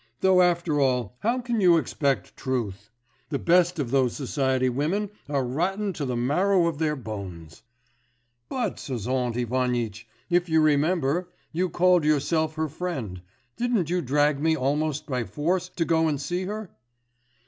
Though after all, how can you expect truth? The best of those society women are rotten to the marrow of their bones.' 'But, Sozont Ivanitch, if you remember, you called yourself her friend. Didn't you drag me almost by force to go and see her?